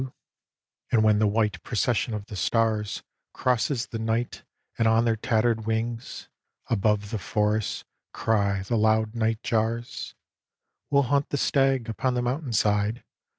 A DREAM OF ARTEMIS 149 And when the white procession of the stars Crosses the night, and on their tattered wings, Above the forest, cry the loud night jars, We'll hunt the stag upon the mountain side.